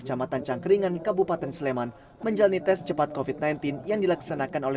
kecamatan cangkeringan kabupaten sleman menjalani tes cepat covid sembilan belas yang dilaksanakan oleh